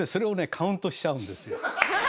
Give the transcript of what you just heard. カウントしちゃうんですよ。